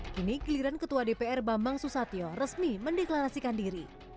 kini giliran ketua dpr bambang susatyo resmi mendeklarasikan diri